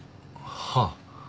はあ。